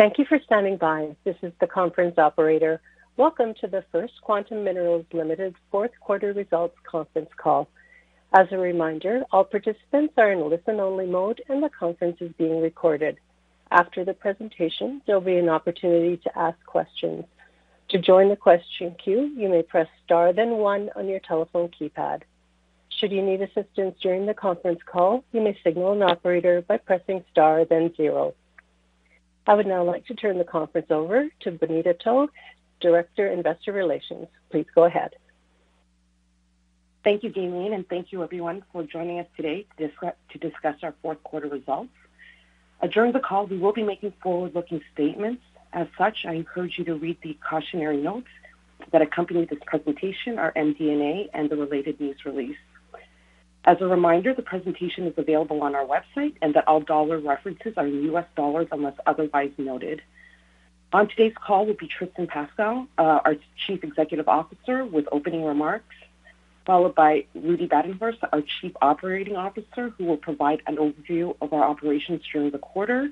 Thank you for standing by. This is the conference operator. Welcome to the First Quantum Minerals Ltd. fourth quarter results conference call. As a reminder, all participants are in listen-only mode, and the conference is being recorded. After the presentation, there'll be an opportunity to ask questions. To join the question queue, you may press star then one on your telephone keypad. Should you need assistance during the conference call, you may signal an operator by pressing star then zero. I would now like to turn the conference over to Bonita To, Director, Investor Relations. Please go ahead. Thank you, [Janine]. Thank you everyone for joining us today to discuss our fourth quarter results. During the call, we will be making forward-looking statements. As such, I encourage you to read the cautionary notes that accompany this presentation, our MD&A, and the related news release. As a reminder, the presentation is available on our website. All dollar references are U.S. dollars unless otherwise noted. On today's call will be Tristan Pascall, our Chief Executive Officer, with opening remarks, followed by Rudi Badenhorst, our Chief Operating Officer, who will provide an overview of our operations during the quarter.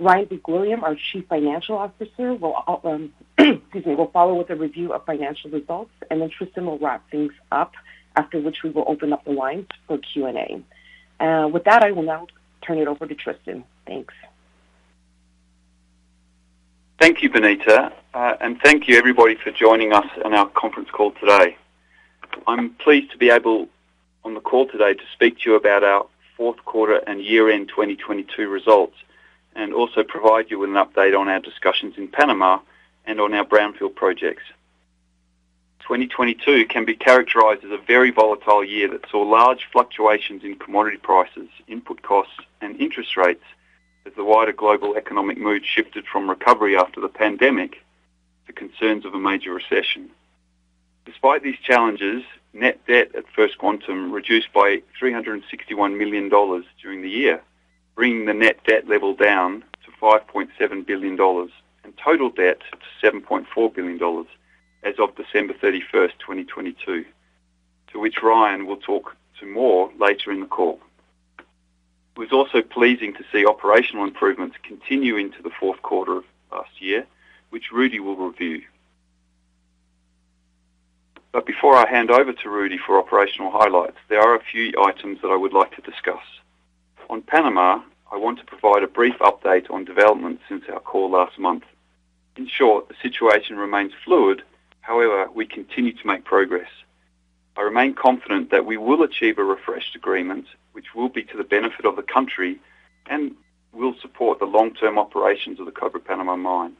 Ryan MacWilliam, our Chief Financial Officer, will, excuse me, will follow with a review of financial results. Tristan will wrap things up. After which, we will open up the line for Q&A. With that, I will now turn it over to Tristan. Thanks. Thank you, Bonita. Thank you everybody for joining us on our conference call today. I'm pleased to be able on the call today to speak to you about our fourth quarter and year-end 2022 results, and also provide you with an update on our discussions in Panama and on our brownfield projects. 2022 can be characterized as a very volatile year that saw large fluctuations in commodity prices, input costs, and interest rates as the wider global economic mood shifted from recovery after the pandemic to concerns of a major recession. Despite these challenges, net debt at First Quantum reduced by $361 million during the year, bringing the net debt level down to $5.7 billion and total debt to $7.4 billion as of December 31, 2022. To which Ryan will talk to more later in the call. It was also pleasing to see operational improvements continue into the fourth quarter of last year, which Rudi will review. Before I hand over to Rudi for operational highlights, there are a few items that I would like to discuss. On Panama, I want to provide a brief update on developments since our call last month. In short, the situation remains fluid. However, we continue to make progress. I remain confident that we will achieve a refreshed agreement, which will be to the benefit of the country and will support the long-term operations of the Cobre Panama mine.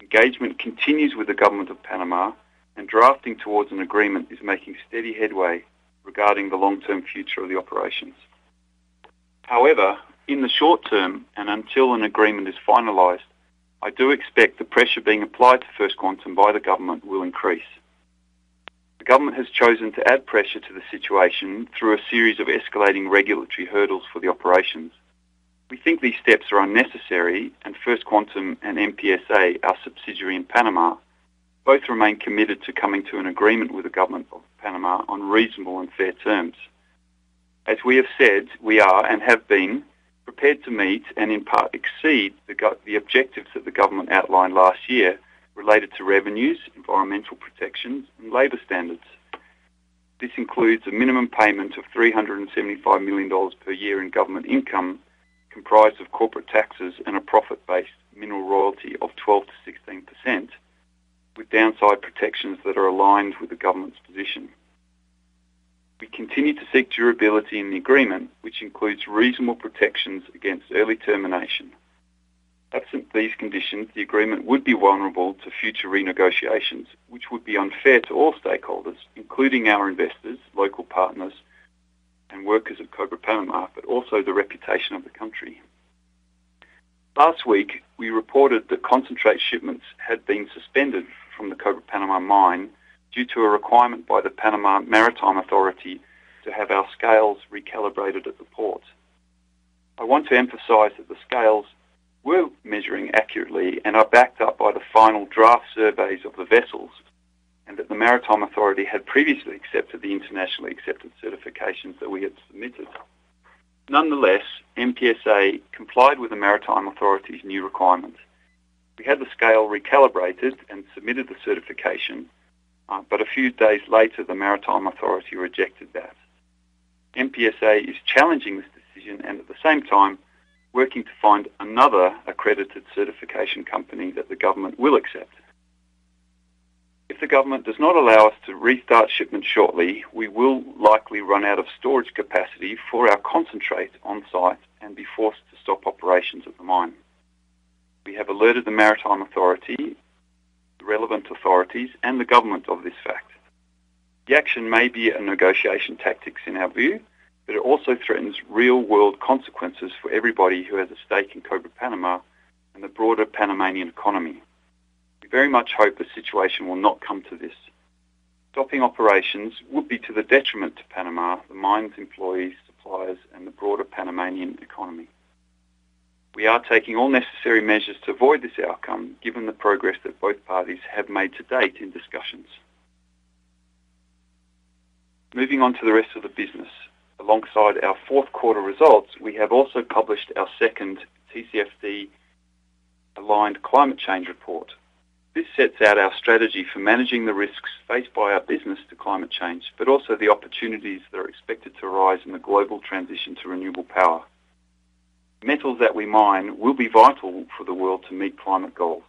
Engagement continues with the government of Panama, and drafting towards an agreement is making steady headway regarding the long-term future of the operations. In the short term, and until an agreement is finalized, I do expect the pressure being applied to First Quantum by the government will increase. The government has chosen to add pressure to the situation through a series of escalating regulatory hurdles for the operations. We think these steps are unnecessary, and First Quantum and MPSA, our subsidiary in Panama, both remain committed to coming to an agreement with the government of Panama on reasonable and fair terms. As we have said, we are and have been prepared to meet and, in part, exceed the objectives that the government outlined last year related to revenues, environmental protections, and labor standards. This includes a minimum payment of $375 million per year in government income, comprised of corporate taxes and a profit-based mineral royalty of 12%-16%, with downside protections that are aligned with the government's position. We continue to seek durability in the agreement, which includes reasonable protections against early termination. Absent these conditions, the agreement would be vulnerable to future renegotiations, which would be unfair to all stakeholders, including our investors, local partners, and workers of Cobre Panama, but also the reputation of the country. Last week, we reported that concentrate shipments had been suspended from the Cobre Panama mine due to a requirement by the Panama Maritime Authority to have our scales recalibrated at the port. I want to emphasize that the scales were measuring accurately and are backed up by the final draft surveys of the vessels and that the Maritime Authority had previously accepted the internationally accepted certifications that we had submitted. MPSA complied with the Maritime Authority's new requirements. We had the scale recalibrated and submitted the certification, a few days later, the Maritime Authority rejected that. MPSA is challenging this decision and at the same time working to find another accredited certification company that the government will accept. If the government does not allow us to restart shipments shortly, we will likely run out of storage capacity for our concentrate on-site and be forced to stop operations at the mine. We have alerted the Maritime Authority, the relevant authorities, and the government of this fact. The action may be a negotiation tactics in our view, but it also threatens real-world consequences for everybody who has a stake in Cobre Panama and the broader Panamanian economy. We very much hope the situation will not come to this. Stopping operations would be to the detriment to Panama, the mine's employees, suppliers, and the broader Panamanian economy. We are taking all necessary measures to avoid this outcome given the progress that both parties have made to date in discussions. Moving on to the rest of the business. Alongside our fourth quarter results, we have also published our second TCFD Aligned Climate Change Report. This sets out our strategy for managing the risks faced by our business to climate change, but also the opportunities that are expected to rise in the global transition to renewable power. Metals that we mine will be vital for the world to meet climate goals.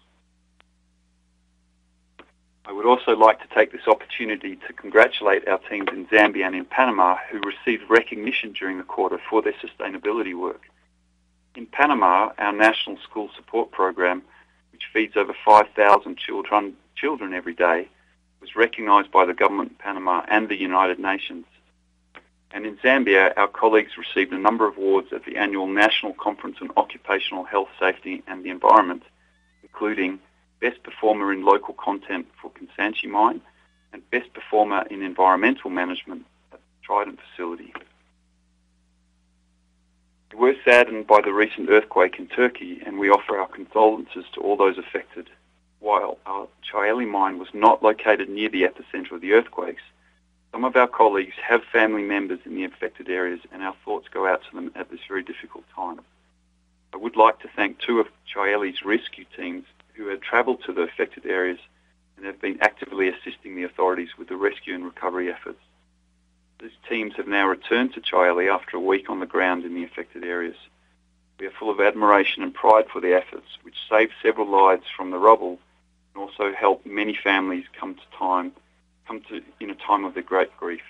I would also like to take this opportunity to congratulate our teams in Zambia and in Panama, who received recognition during the quarter for their sustainability work. In Panama, our National School Support Program, which feeds over 5,000 children every day, was recognized by the government of Panama and the United Nations. In Zambia, our colleagues received a number of awards at the Annual National Conference on Occupational Health, Safety and the Environment, including Best Performer in Local Content for Kansanshi Mine and Best Performer in Environmental Management at the Trident facility. We're saddened by the recent earthquake in Turkey, and we offer our condolences to all those affected. While our Çayeli mine was not located near the epicenter of the earthquakes, some of our colleagues have family members in the affected areas, and our thoughts go out to them at this very difficult time. I would like to thank two of Çayeli's rescue teams who have traveled to the affected areas and have been actively assisting the authorities with the rescue and recovery efforts. These teams have now returned to Çayeli after a week on the ground in the affected areas. We are full of admiration and pride for their efforts, which saved several lives from the rubble and also helped many families come to in a time of their great grief.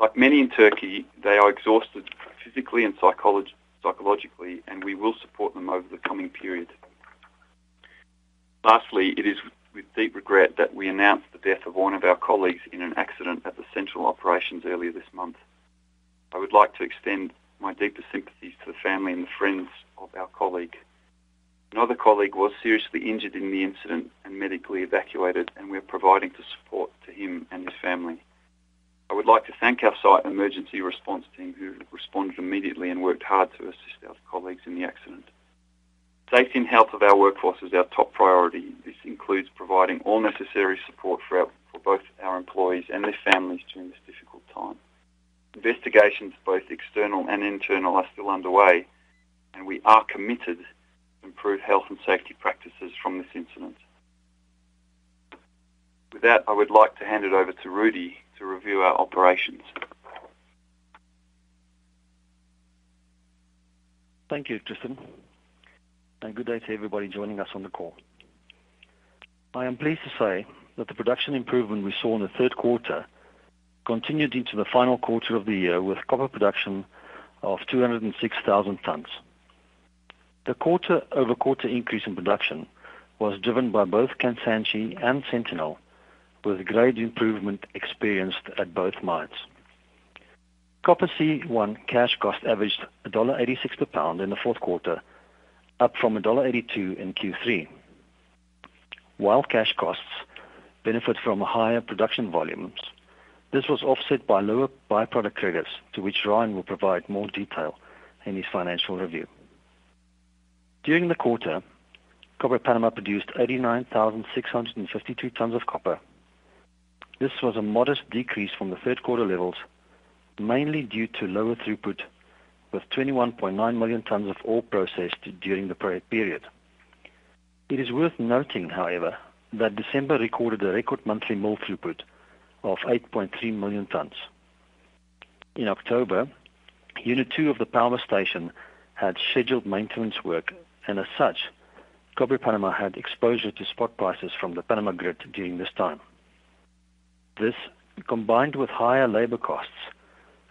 Like many in Turkey, they are exhausted physically and psychologically, and we will support them over the coming period. Lastly, it is with deep regret that we announce the death of one of our colleagues in an accident at the central operations earlier this month. I would like to extend my deepest sympathies to the family and friends of our colleague. Another colleague was seriously injured in the incident and medically evacuated, and we are providing the support to him and his family. I would like to thank our site emergency response team, who responded immediately and worked hard to assist our colleagues in the accident. Safety and health of our workforce is our top priority. This includes providing all necessary support for both our employees and their families during this difficult time. Investigations, both external and internal, are still underway, and we are committed to improved health and safety practices from this incident. With that, I would like to hand it over to Rudi to review our operations. Thank you, Tristan, and good day to everybody joining us on the call. I am pleased to say that the production improvement we saw in the third quarter continued into the final quarter of the year with copper production of 206,000 tons. The quarter-over-quarter increase in production was driven by both Kansanshi and Sentinel, with great improvement experienced at both mines. Copper C1 cash cost averaged $1.86 per pound in the fourth quarter, up from $1.82 in Q3. While cash costs benefit from higher production volumes, this was offset by lower by-product credits, to which Ryan will provide more detail in his financial review. During the quarter, Cobre Panama produced 89,652 tons of copper. This was a modest decrease from the third quarter levels, mainly due to lower throughput, with 21.9 million tons of ore processed during the period. It is worth noting, however, that December recorded a record monthly mill throughput of 8.3 million tons. In October, unit two of the power station had scheduled maintenance work, and as such, Cobre Panama had exposure to spot prices from the Panama grid during this time. This, combined with higher labor costs,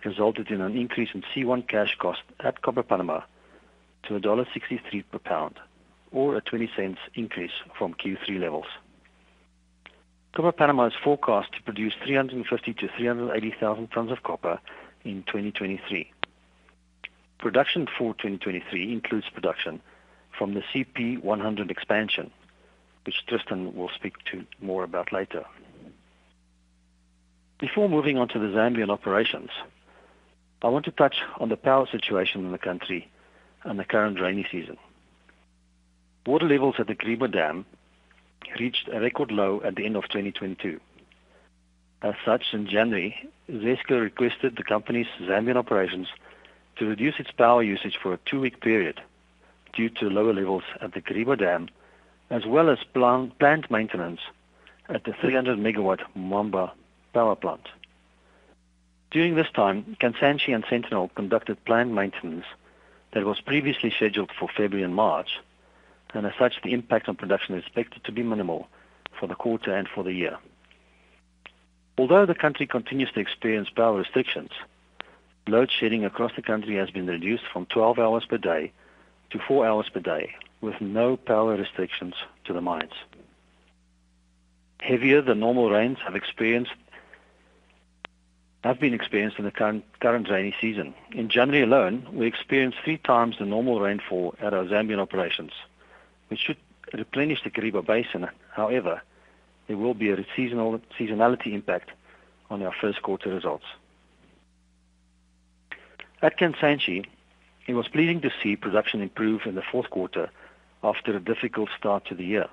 resulted in an increase in C1 cash cost at Cobre Panama to $1.63 per pound or a $0.20 increase from Q3 levels. Cobre Panama is forecast to produce 350,000-380,000 tons of copper in 2023. Production for 2023 includes production from the CP100 expansion, which Tristan will speak to more about later. Before moving on to the Zambian operations, I want to touch on the power situation in the country and the current rainy season. Water levels at the Kariba Dam reached a record low at the end of 2022. As such, in January, ZESCO requested the company's Zambian operations to reduce its power usage for a two-week period due to lower levels at the Kariba Dam, as well as planned maintenance at the 300 MW Mumbwa Power Plant. During this time, Kansanshi and Sentinel conducted planned maintenance that was previously scheduled for February and March, and as such, the impact on production is expected to be minimal for the quarter and for the year. Although the country continues to experience power restrictions, load shedding across the country has been reduced from 12 hours per day to 4 hours per day, with no power restrictions to the mines. Heavier than normal rains have been experienced in the current rainy season. In January alone, we experienced 3x the normal rainfall at our Zambian operations, which should replenish the Kariba basin. However, there will be a seasonality impact on our first quarter results. At Kansanshi, it was pleasing to see production improve in the fourth quarter after a difficult start to the year.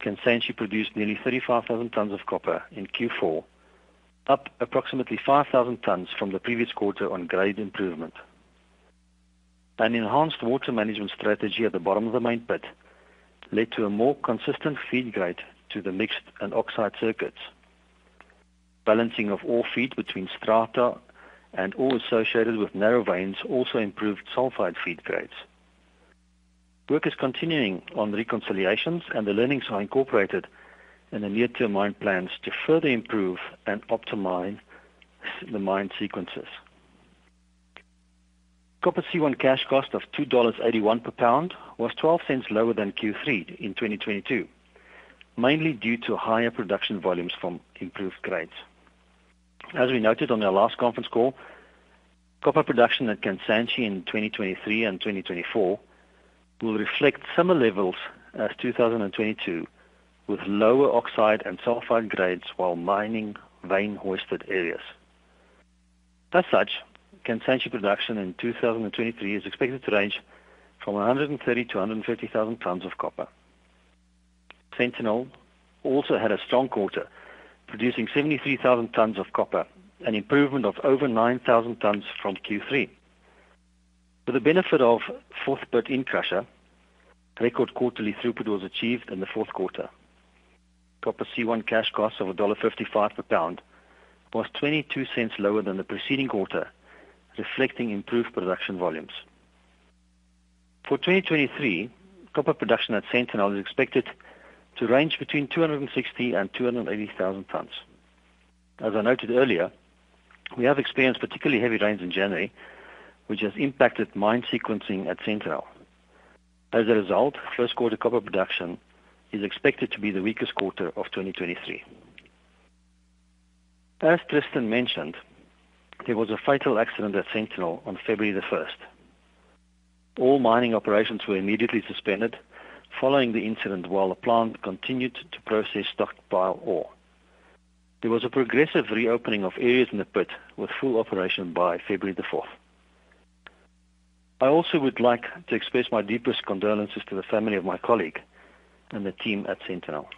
Kansanshi produced nearly 35,000 tons of copper in Q4, up approximately 5,000 tons from the previous quarter on grade improvement. An enhanced water management strategy at the bottom of the main pit led to a more consistent feed grade to the mixed and oxide circuits. Balancing of ore feed between strata and ore associated with narrow veins also improved sulfide feed grades. Work is continuing on reconciliations. The learnings are incorporated in the near-term mine plans to further improve and optimize the mine sequences. Copper C1 cash cost of $2.81 per pound was $0.12 lower than Q3 in 2022, mainly due to higher production volumes from improved grades. As we noted on our last conference call, copper production at Kansanshi in 2023 and 2024 will reflect similar levels as 2022, with lower oxide and sulfide grades while mining vein-hosted areas. As such, Kansanshi production in 2023 is expected to range from 130,000-150,000 tons of copper. Sentinel also had a strong quarter, producing 73,000 tons of copper, an improvement of over 9,000 tons from Q3. With the benefit of fourth in crusher, record quarterly throughput was achieved in the fourth quarter. Copper C1 cash costs of $1.55 per pound was $0.22 lower than the preceding quarter, reflecting improved production volumes. For 2023, copper production at Sentinel is expected to range between 260,000 and 280,000 tons. As I noted earlier, we have experienced particularly heavy rains in January, which has impacted mine sequencing at Sentinel. As a result, first quarter copper production is expected to be the weakest quarter of 2023. As Tristan mentioned, there was a fatal accident at Sentinel on February the first. All mining operations were immediately suspended following the incident while the plant continued to process stockpile ore. There was a progressive reopening of areas in the pit with full operation by February the fourth. I also would like to express my deepest condolences to the family of my colleague and the team at Sentinel.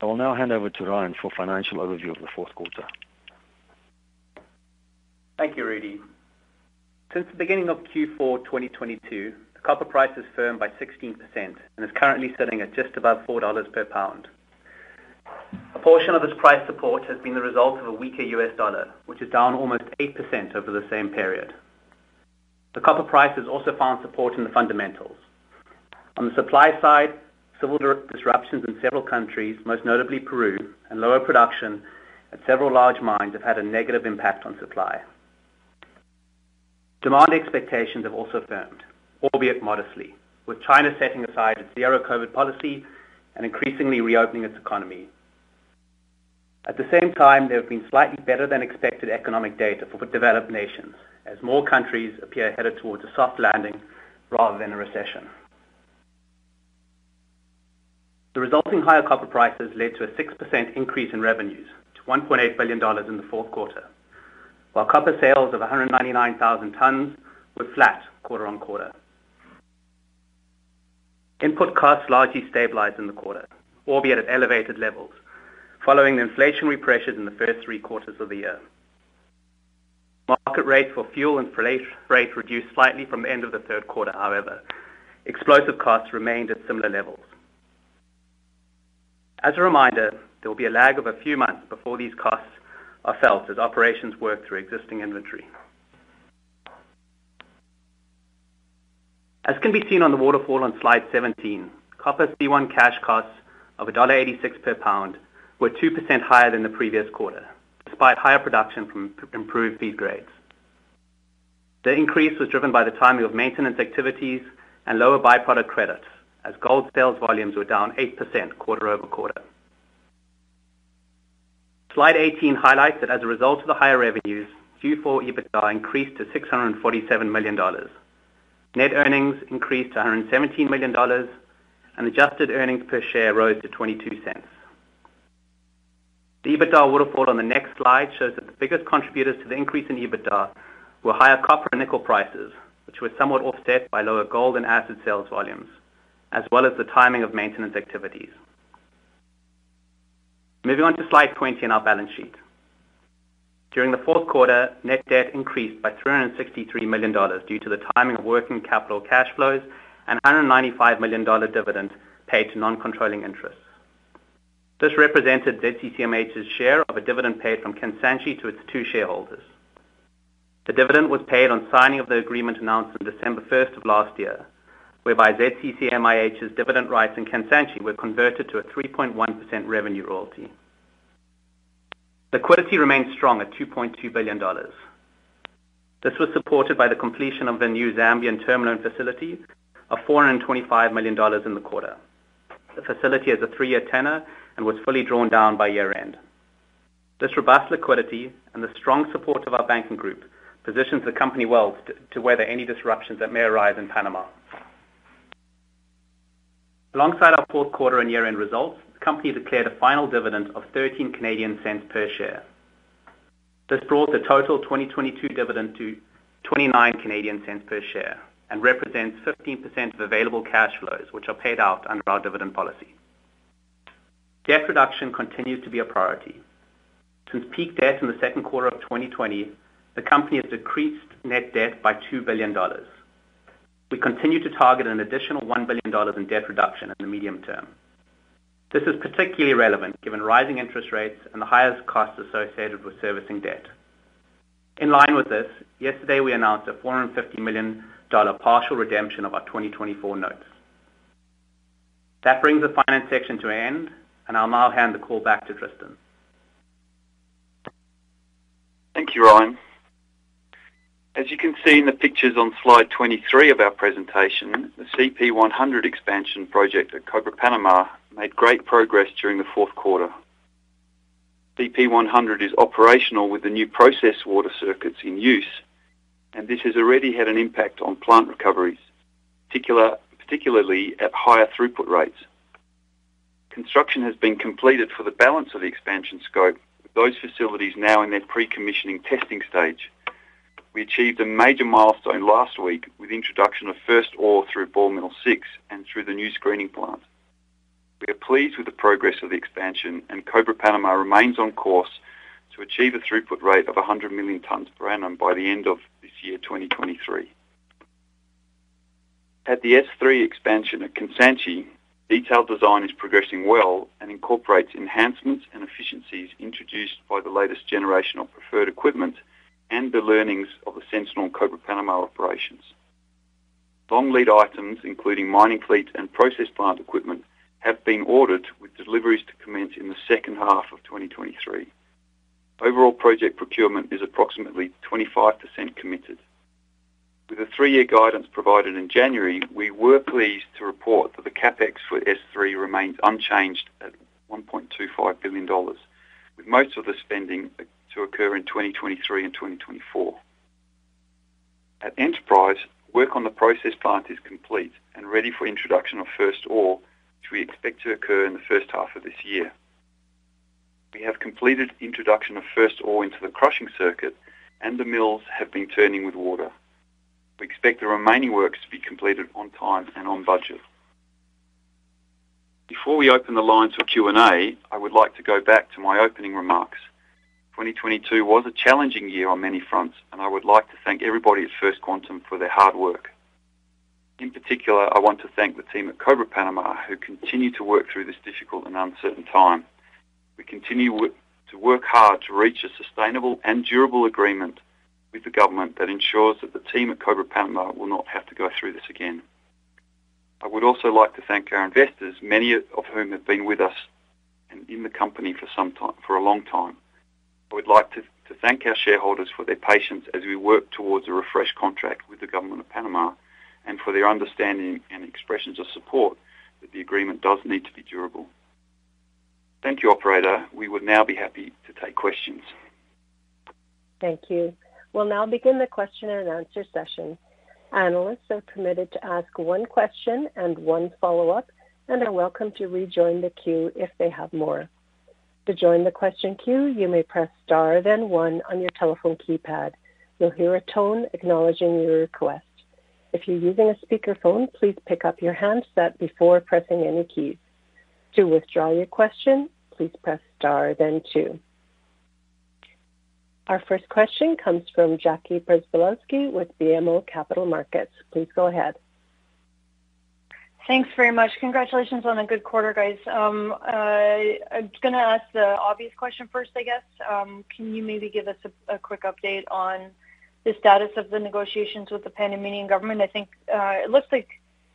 I will now hand over to Ryan for financial overview of the fourth quarter. Thank you, Rudi. Since the beginning of Q4 2022, the copper price has firmed by 16% and is currently sitting at just above $4 per pound. A portion of this price support has been the result of a weaker U.S. dollar, which is down almost 8% over the same period. The copper price has also found support in the fundamentals. On the supply side, civil disruptions in several countries, most notably Peru, and lower production at several large mines have had a negative impact on supply. Demand expectations have also firmed, albeit modestly, with China setting aside its zero-COVID policy and increasingly reopening its economy. At the same time, there have been slightly better than expected economic data for developed nations as more countries appear headed towards a soft landing rather than a recession. The resulting higher copper prices led to a 6% increase in revenues to $1.8 billion in the fourth quarter, while copper sales of 199,000 tons were flat quarter-on-quarter. Input costs largely stabilized in the quarter, albeit at elevated levels, following the inflationary pressures in the first three quarters of the year. Market rates for fuel and inflationary rates reduced slightly from the end of the third quarter, however. Explosive costs remained at similar levels. As a reminder, there will be a lag of a few months before these costs are felt as operations work through existing inventory. As can be seen on the waterfall on slide 17, copper C1 cash costs of $1.86 per pound were 2% higher than the previous quarter, despite higher production from improved feed grades. The increase was driven by the timing of maintenance activities and lower byproduct credits as gold sales volumes were down 8% quarter-over-quarter. Slide 18 highlights that as a result of the higher revenues, Q4 EBITDA increased to $647 million. Net earnings increased to $117 million, and adjusted earnings per share rose to $0.22. The EBITDA waterfall on the next slide shows that the biggest contributors to the increase in EBITDA were higher copper and nickel prices, which were somewhat offset by lower gold and asset sales volumes, as well as the timing of maintenance activities. Moving on to slide 20 and our balance sheet. During the fourth quarter, net debt increased by $363 million due to the timing of working capital cash flows and a $195 million dividend paid to non-controlling interests. This represented ZCCM-IH's share of a dividend paid from Kansanshi to its two shareholders. The dividend was paid on signing of the agreement announced on December first of last year, whereby ZCCM-IH's dividend rights in Kansanshi were converted to a 3.1% revenue royalty. Liquidity remains strong at $2.2 billion. This was supported by the completion of the new Zambian term loan facility of $425 million in the quarter. The facility has a three-year tenor and was fully drawn down by year-end. This robust liquidity and the strong support of our banking group positions the company well to weather any disruptions that may arise in Panama. Alongside our fourth quarter and year-end results, the company declared a final dividend of 0.13 per share. This brought the total 2022 dividend to 29 Canadian cents per share and represents 15% of available cash flows, which are paid out under our dividend policy. Debt reduction continues to be a priority. Since peak debt in the second quarter of 2020, the company has decreased net debt by $2 billion. We continue to target an additional $1 billion in debt reduction in the medium term. This is particularly relevant given rising interest rates and the highest costs associated with servicing debt. In line with this, yesterday, we announced a $450 million partial redemption of our 2024 notes. That brings the finance section to end, and I'll now hand the call back to Tristan. Thank you, Ryan. As you can see in the pictures on slide 23 of our presentation, the CP100 expansion project at Cobre Panama made great progress during the fourth quarter. CP100 is operational with the new process water circuits in use, and this has already had an impact on plant recoveries, particularly at higher throughput rates. Construction has been completed for the balance of the expansion scope. Those facilities now in their pre-commissioning testing stage. We achieved a major milestone last week with introduction of first ore through ball mill six and through the new screening plant. We are pleased with the progress of the expansion, and Cobre Panama remains on course to achieve a throughput rate of 100 million tons per annum by the end of this year, 2023. At the S3 expansion at Kansanshi, detailed design is progressing well and incorporates enhancements and efficiencies introduced by the latest generation of preferred equipment and the learnings of the Sentinel Cobre Panama operations. Long lead items, including mining fleet and process plant equipment, have been ordered with deliveries to commence in the second half of 2023. Overall project procurement is approximately 25% committed. With the three-year guidance provided in January, we were pleased to report that the CapEx for S3 remains unchanged at $1.25 billion, with most of the spending to occur in 2023 and 2024. At Enterprise, work on the process plant is complete and ready for introduction of first ore, which we expect to occur in the first half of this year. We have completed introduction of first ore into the crushing circuit, and the mills have been turning with water. We expect the remaining works to be completed on time and on budget. Before we open the lines for Q&A, I would like to go back to my opening remarks. 2022 was a challenging year on many fronts, and I would like to thank everybody at First Quantum for their hard work. In particular, I want to thank the team at Cobre Panama, who continue to work through this difficult and uncertain time. We continue to work hard to reach a sustainable and durable agreement with the government that ensures that the team at Cobre Panama will not have to go through this again. I would also like to thank our investors, many of whom have been with us and in the company for some time, for a long time. I would like to thank our shareholders for their patience as we work towards a refreshed contract with the government of Panama and for their understanding and expressions of support that the agreement does need to be durable. Thank you, operator. We would now be happy to take questions. Thank you. We'll now begin the question and answer session. Analysts are permitted to ask one question and one follow-up, and are welcome to rejoin the queue if they have more. To join the question queue, you may press star then one on your telephone keypad. You'll hear a tone acknowledging your request. If you're using a speaker phone, please pick up your handset before pressing any keys. To withdraw your question, please press star then two. Our first question comes from Jackie Przybylowski with BMO Capital Markets. Please go ahead. Thanks very much. Congratulations on a good quarter, guys. I'm just gonna ask the obvious question first, I guess. Can you maybe give us a quick update on the status of the negotiations with the Panamanian government? I think, it looks like,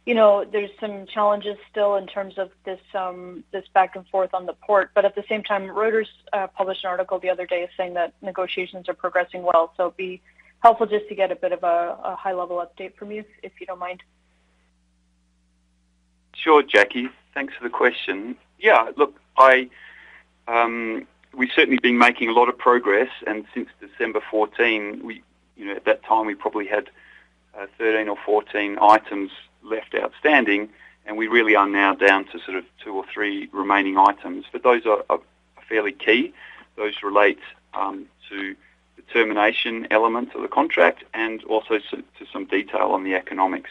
you know, there's some challenges still in terms of this back and forth on the port. At the same time, Reuters published an article the other day saying that negotiations are progressing well. It'd be helpful just to get a bit of a high-level update from you, if you don't mind. Sure, Jackie. Thanks for the question. Yeah, look, I, we've certainly been making a lot of progress. Since December 14 2022, we, you know, at that time, we probably had 13 or 14 items left outstanding, and we really are now down to sort of two or three remaining items. Those are fairly key. Those relate to the termination elements of the contract and also to some detail on the economics.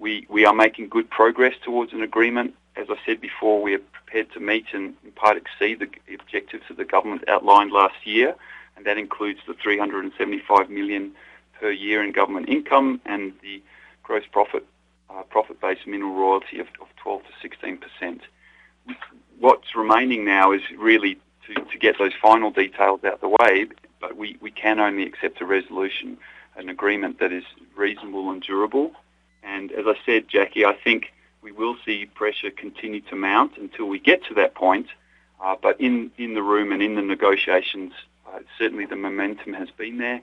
We are making good progress towards an agreement. As I said before, we are prepared to meet and in part exceed the objectives that the government outlined last year. That includes the $375 million per year in government income and the gross profit-based mineral royalty of 12%-16%. What's remaining now is really to get those final details out the way, but we can only accept a resolution, an agreement that is reasonable and durable. As I said, Jackie, I think we will see pressure continue to mount until we get to that point. But in the room and in the negotiations, certainly the momentum has been there.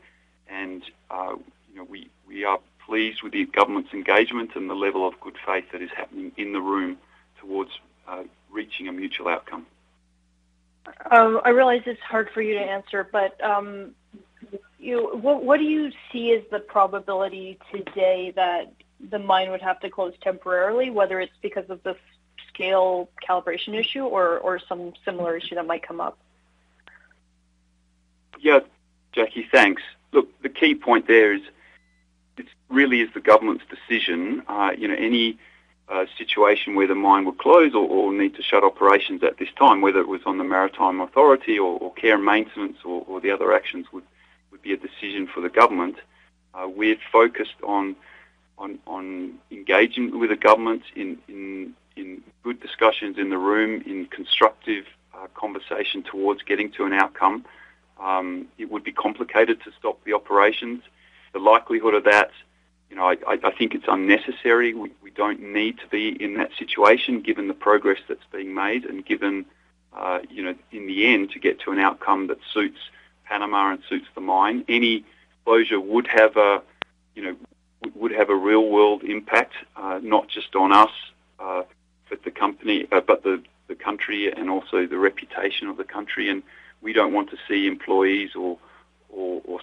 You know, we are pleased with the government's engagement and the level of good faith that is happening in the room towards reaching a mutual outcome. I realize it's hard for you to answer, but what do you see is the probability today that the mine would have to close temporarily, whether it's because of the scale calibration issue or some similar issue that might come up? Yeah. Jackie, thanks. Look, the key point there is this really is the government's decision. you know, any situation where the mine would close or need to shut operations at this time, whether it was on the Maritime Authority or care and maintenance or the other actions would be a decision for the government. We're focused on engaging with the government in good discussions in the room in constructive conversation towards getting to an outcome. It would be complicated to stop the operations. The likelihood of that, you know, I think it's unnecessary. We don't need to be in that situation given the progress that's being made and given, you know, in the end, to get to an outcome that suits Panama and suits the mine. Any closure would have a, you know, would have a real-world impact, not just on us, but the company, but the country and also the reputation of the country. We don't want to see employees or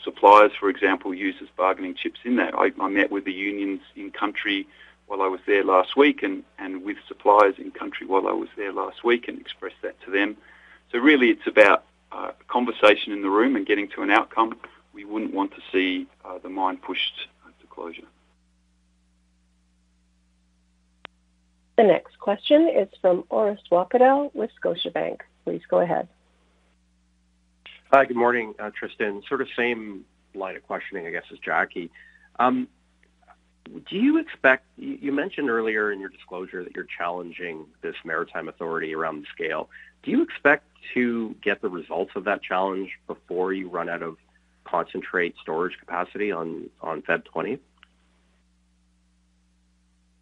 suppliers, for example, used as bargaining chips in that. I met with the unions in country while I was there last week and with suppliers in country while I was there last week and expressed that to them. Really it's about conversation in the room and getting to an outcome. We wouldn't want to see the mine pushed to closure. The next question is from Orest Wowkodaw with Scotiabank. Please go ahead. Hi. Good morning, Tristan. Sort of same line of questioning, I guess, as Jackie. You mentioned earlier in your disclosure that you're challenging this Panama Maritime Authority around the scale. Do you expect to get the results of that challenge before you run out of concentrate storage capacity on February 2023?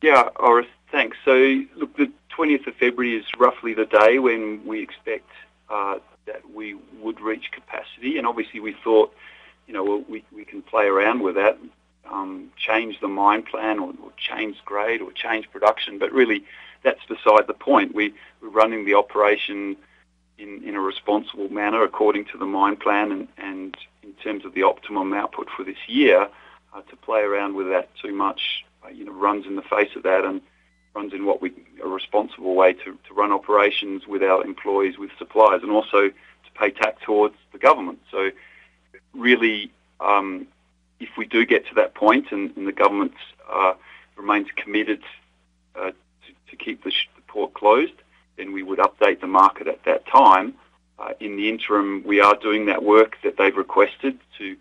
Yeah. Orest, thanks. Look, the 20th of February 2023 is roughly the day when we expect that we would reach capacity. Obviously we thought, you know, we can play around with that, change the mine plan or change grade or change production. Really that's beside the point. We're running the operation in a responsible manner according to the mine plan and in terms of the optimum output for this year, to play around with that too much, you know, runs in the face of that and runs in what we a responsible way to run operations with our employees, with suppliers, and also to pay tax towards the government. Really, if we do get to that point and the government remains committed to keep this port closed, then we would update the market at that time. In the interim, we are doing that work that they've requested to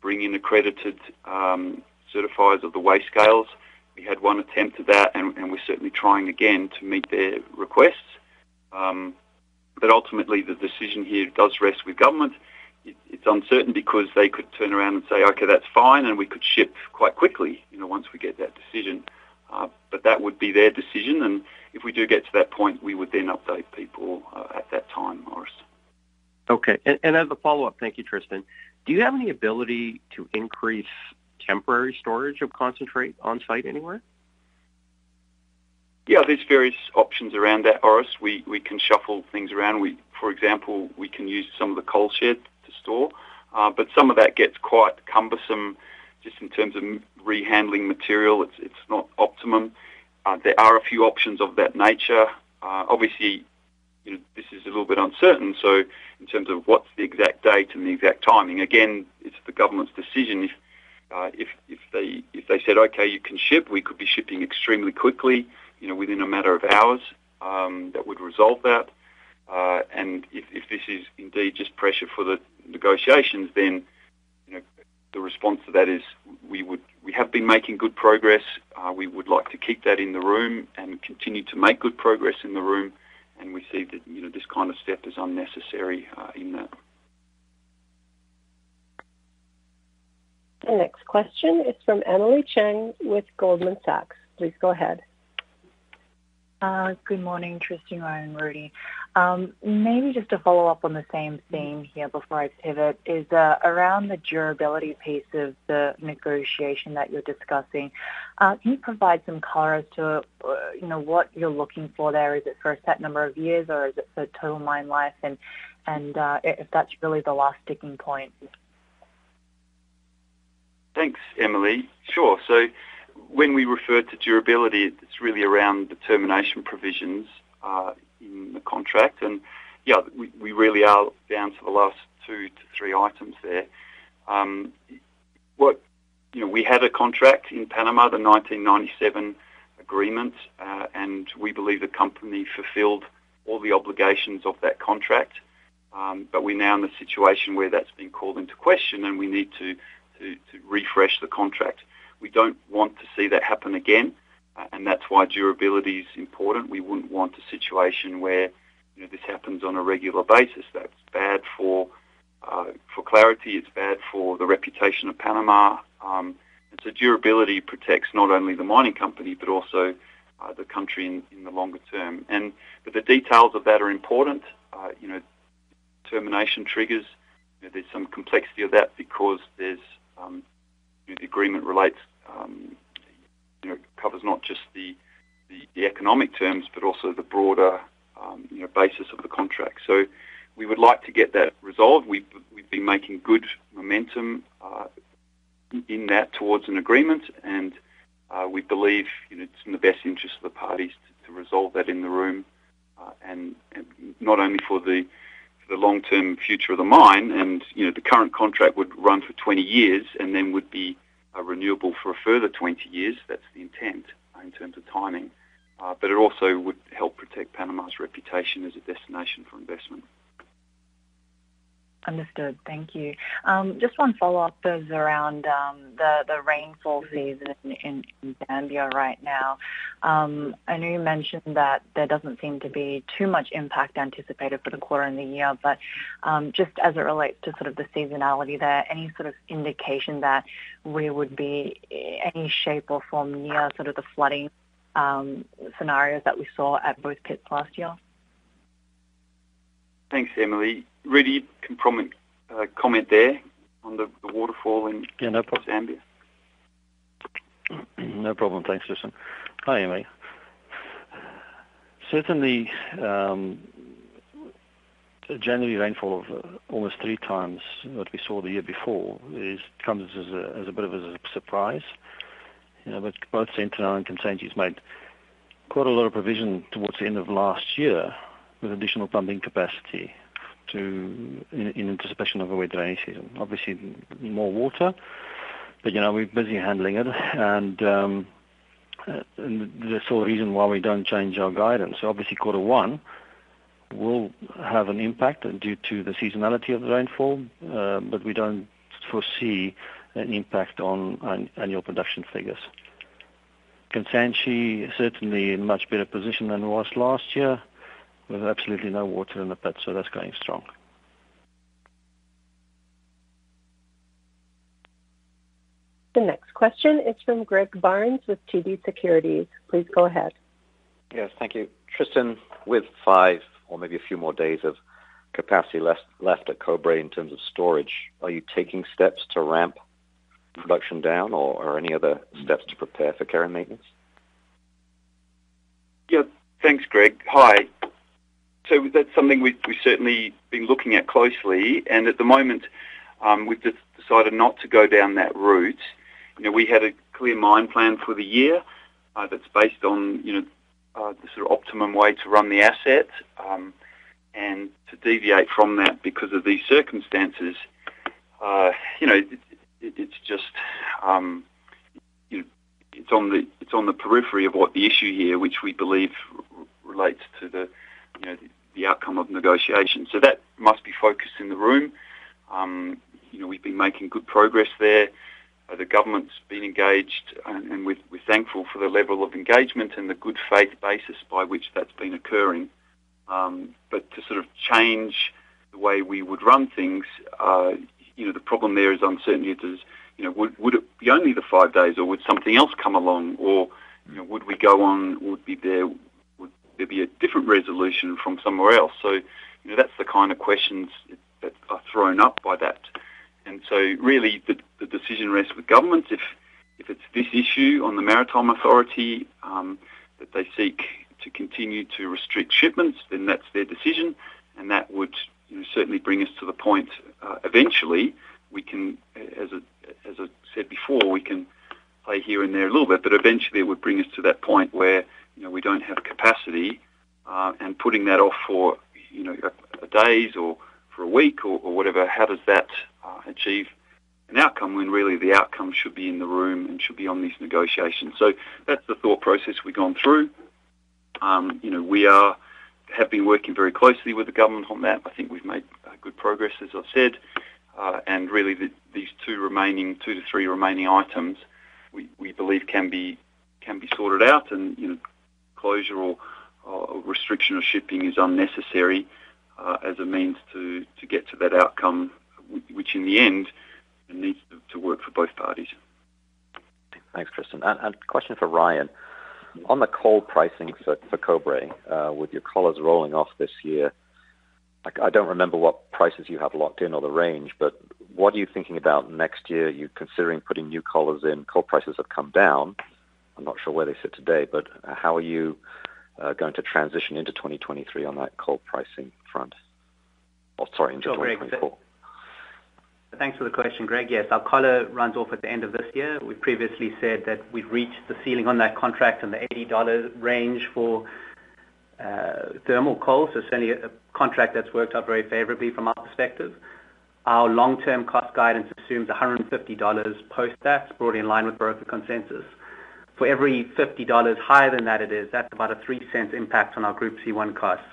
bring in accredited certifiers of the weigh scales. We had one attempt at that, and we're certainly trying again to meet their requests. Ultimately the decision here does rest with government. It's uncertain because they could turn around and say, "Okay, that's fine," and we could ship quite quickly, you know, once we get that decision. That would be their decision, and if we do get to that point, we would then update people at that time, Orest. Okay. As a follow-up, thank you, Tristan. Do you have any ability to increase temporary storage of concentrate on-site anywhere? Yeah, there's various options around that, Orest. We can shuffle things around. We, for example, we can use some of the coal shed to store. Some of that gets quite cumbersome just in terms of rehandling material. It's not optimum. There are a few options of that nature. Obviously, you know, this is a little bit uncertain. In terms of what's the exact date and the exact timing, again, it's the government's decision. If they said, "Okay, you can ship," we could be shipping extremely quickly, you know, within a matter of hours, that would resolve that. If this is indeed just pressure for the negotiations, then, you know, the response to that is we have been making good progress. We would like to keep that in the room and continue to make good progress in the room. We see that, you know, this kind of step is unnecessary in that. The next question is from Emily Chieng with Goldman Sachs. Please go ahead. Good morning, Tristan, Ryan, Rudi. Maybe just to follow up on the same theme here before I pivot is around the durability piece of the negotiation that you're discussing. Can you provide some color as to, you know, what you're looking for there? Is it for a set number of years, or is it for total mine life? If that's really the last sticking point? Thanks, Emily. Sure. When we refer to durability, it's really around the termination provisions in the contract. Yeah, we really are down to the last two to three items there. You know, we had a contract in Panama, the 1997 agreement, and we believe the company fulfilled all the obligations of that contract. We're now in the situation where that's being called into question, and we need to refresh the contract. We don't want to see that happen again. That's why durability is important. We wouldn't want a situation where, you know, this happens on a regular basis. That's bad for clarity, it's bad for the reputation of Panama. Durability protects not only the mining company but also the country in the longer term. The details of that are important. You know, termination triggers, you know, there's some complexity of that because there's, you know, the agreement relates is not just the economic terms, but also the broader, you know, basis of the contract. We would like to get that resolved. We've been making good momentum in that towards an agreement, and we believe it's in the best interest of the parties to resolve that in the room, and not only for the, for the long-term future of the mine and, you know, the current contract would run for 20 years and then would be renewable for a further 20 years. That's the intent in terms of timing. It also would help protect Panama's reputation as a destination for investment. Understood. Thank you. Just one follow-up is around the rainfall season in Zambia right now. I know you mentioned that there doesn't seem to be too much impact anticipated for the quarter in the year, but just as it relates to sort of the seasonality there, any sort of indication that we would be any shape or form near sort of the flooding scenarios that we saw at both pits last year? Thanks, Emily. Rudi, you can comment there on the waterfall. Yeah, no problem. Zambia. No problem. Thanks, Tristan. Hi, Emily. Certainly, January rainfall of almost three times what we saw the year before comes as a bit of a surprise. You know, both Sentinel and Kansanshi made quite a lot of provision towards the end of last year with additional pumping capacity in anticipation of a wet drainage season. Obviously, more water, but you know, we're busy handling it. That's the reason why we don't change our guidance. Obviously, quarter one will have an impact due to the seasonality of the rainfall, but we don't foresee an impact on annual production figures. Kansanshi certainly in much better position than it was last year. There's absolutely no water in the pit, so that's going strong. The next question is from Greg Barnes with TD Securities. Please go ahead. Yes, thank you. Tristan, with five or maybe a few more days of capacity less-left at Cobre in terms of storage, are you taking steps to ramp production down or any other steps to prepare for care and maintenance? Yeah. Thanks, Greg. Hi. That's something we certainly been looking at closely. At the moment, we've decided not to go down that route. You know, we had a clear mine plan for the year, that's based on, you know, the sort of optimum way to run the asset, and to deviate from that because of these circumstances, you know, it's just, you know, it's on the periphery of what the issue here, which we believe relates to the, you know, the outcome of negotiation. That must be focused in the room. You know, we've been making good progress there. The government's been engaged and we're thankful for the level of engagement and the good faith basis by which that's been occurring. To sort of change the way we would run things, you know, the problem there is uncertainty is, you know, would it be only the five days or would something else come along? Or, you know, would we go on? Would there be a different resolution from somewhere else? You know, that's the kind of questions that are thrown up by that. Really, the decision rests with government. If it's this issue on the Maritime Authority, that they seek to continue to restrict shipments, then that's their decision. That would, you know, certainly bring us to the point, eventually, we can, as I said before, we can play here and there a little bit, but eventually it would bring us to that point where, you know, we don't have capacity, and putting that off for, you know, a days or for a week or whatever. How does that achieve an outcome when really the outcome should be in the room and should be on these negotiations? That's the thought process we've gone through. You know, we have been working very closely with the government on that. I think we've made good progress, as I've said. Really, these two remaining, two to three remaining items, we believe can be sorted out and, you know, closure or restriction of shipping is unnecessary as a means to get to that outcome, which in the end needs to work for both parties. Thanks, Tristan. Question for Ryan. On the coal pricing for Cobre, with your collars rolling off this year, like, I don't remember what prices you have locked in or the range, but what are you thinking about next year? Are you considering putting new collars in? Coal prices have come down. I'm not sure where they sit today, but how are you going to transition into 2023 on that coal pricing front? Or sorry, into 2024. Thanks for the question, Greg. Our collar runs off at the end of this year. We previously said that we've reached the ceiling on that contract in the $80 range for thermal coal. Certainly a contract that's worked out very favorably from our perspective. Our long-term cost guidance assumes $150 post that, broadly in line with broker consensus. For every $50 higher than that it is, that's about a $0.03 impact on our group C1 costs.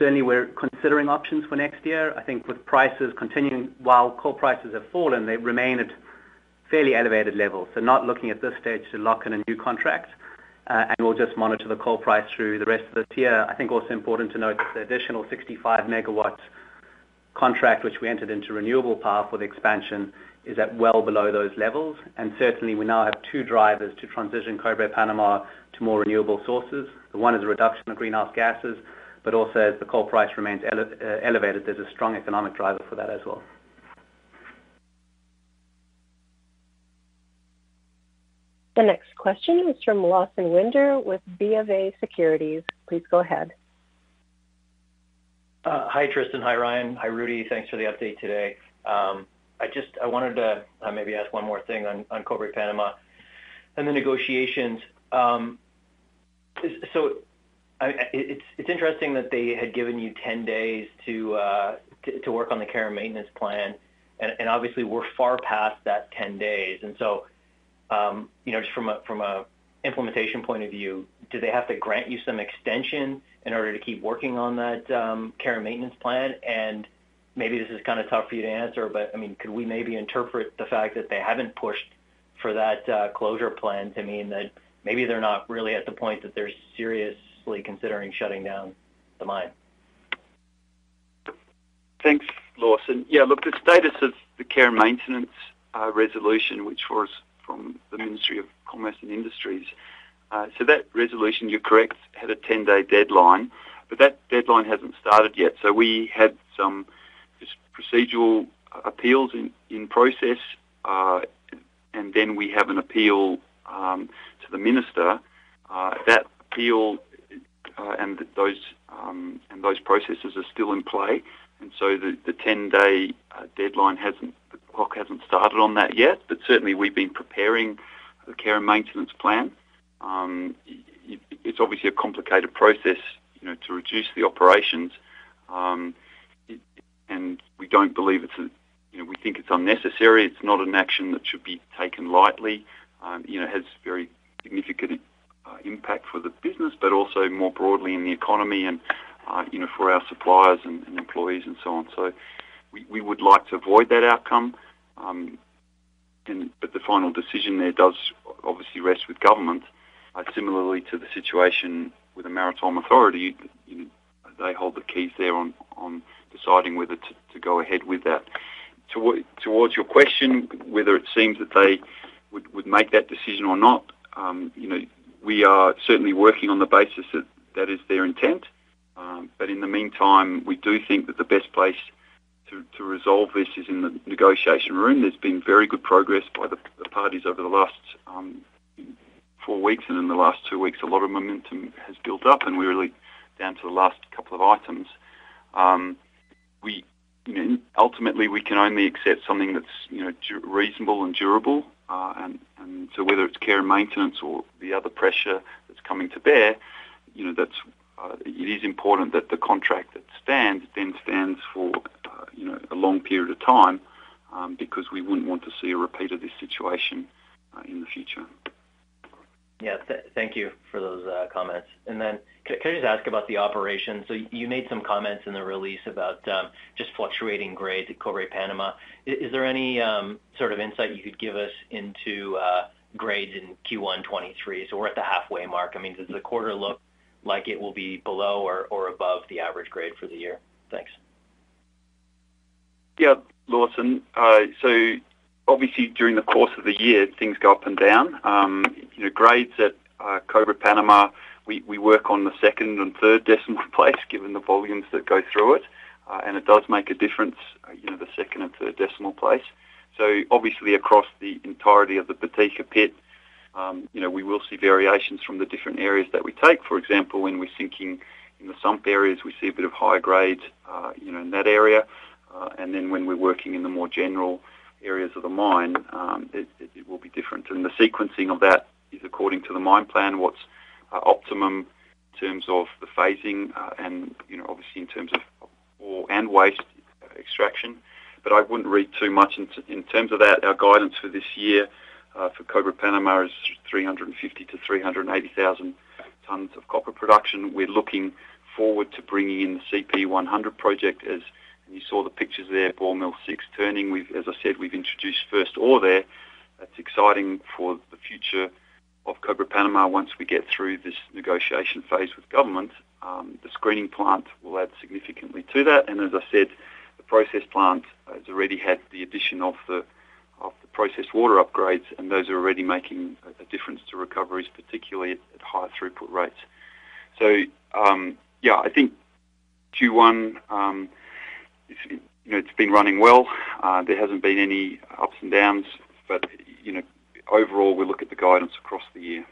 Certainly, we're considering options for next year. I think with prices continuing, while coal prices have fallen, they remain at fairly elevated levels. Not looking at this stage to lock in a new contract, and we'll just monitor the coal price through the rest of this year. I think also important to note that the additional 65 MW contract, which we entered into renewable power for the expansion, is at well below those levels. Certainly, we now have two drivers to transition Cobre Panama to more renewable sources. One is a reduction of greenhouse gases, also as the coal price remains elevated, there's a strong economic driver for that as well. The next question is from Lawson Winder with BofA Securities. Please go ahead. Hi, Tristan. Hi, Ryan. Hi, Rudi. Thanks for the update today. I wanted to maybe ask one more thing on Cobre Panama and the negotiations. So it's interesting that they had given you 10 days to work on the care and maintenance plan and obviously we're far past that 10 days. You know, just from a implementation point of view, do they have to grant you some extension in order to keep working on that care and maintenance plan? Maybe this is kinda tough for you to answer, but, I mean, could we maybe interpret the fact that they haven't pushed for that closure plan to mean that maybe they're not really at the point that they're seriously considering shutting down the mine? Thanks, Lawson. Look, the status of the care and maintenance resolution, which was from the Ministry of Commerce and Industries. That resolution, you're correct, had a ten-day deadline, but that deadline hasn't started yet. We had some just procedural appeals in process. We have an appeal to the minister. That appeal and those processes are still in play. The ten-day deadline hasn't. The clock hasn't started on that yet. Certainly we've been preparing the care and maintenance plan. It's obviously a complicated process, you know, to reduce the operations. We don't believe it's a, you know, we think it's unnecessary. It's not an action that should be taken lightly. You know, has very significant impact for the business, but also more broadly in the economy and, you know, for our suppliers and employees and so on. We, we would like to avoid that outcome. But the final decision there does obviously rest with government, similarly to the situation with the Maritime Authority. You know, they hold the keys there on deciding whether to go ahead with that. Towards your question, whether it seems that they would make that decision or not, you know, we are certainly working on the basis that that is their intent. In the meantime, we do think that the best place to resolve this is in the negotiation room. There's been very good progress by the parties over the last four weeks, and in the last two weeks a lot of momentum has built up, and we're really down to the last couple of items. We, you know, ultimately we can only accept something that's, you know, reasonable and durable. Whether it's care and maintenance or the other pressure that's coming to bear, you know, that's, it is important that the contract that stands then stands for, you know, a long period of time, because we wouldn't want to see a repeat of this situation in the future. Yeah. Thank you for those comments. Can I just ask about the operations? You made some comments in the release about just fluctuating grades at Cobre Panama. Is there any sort of insight you could give us into grades in Q1 2023? We're at the halfway mark. I mean, does the quarter look like it will be below or above the average grade for the year? Thanks. Yeah, Lawson. So obviously during the course of the year, things go up and down. You know, grades at Cobre Panama, we work on the second and third decimal place given the volumes that go through it. It does make a difference, you know, the second and third decimal place. Obviously across the entirety of the [potential] pit, you know, we will see variations from the different areas that we take. For example, when we're sinking in the sump areas, we see a bit of higher grades, you know, in that area. Then when we're working in the more general areas of the mine, it will be different. The sequencing of that is according to the mine plan, what's optimum in terms of the phasing, and, you know, obviously in terms of ore and waste extraction. I wouldn't read too much in terms of that. Our guidance for this year for Cobre Panama is 350,000-380,000 tons of copper production. We're looking forward to bringing in the CP100 project, as, and you saw the pictures there, ball mill six turning. As I said, we've introduced first ore there. That's exciting for the future of Cobre Panama once we get through this negotiation phase with government. The screening plant will add significantly to that. As I said, the process plant has already had the addition of the, of the processed water upgrades, and those are already making a difference to recoveries, particularly at high throughput rates. Yeah, I think Q1, you know, it's been running well. There hasn't been any ups and downs. You know, overall, we look at the guidance across the year.